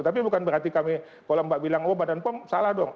tapi bukan berarti kami kalau mbak bilang oh badan pom salah dong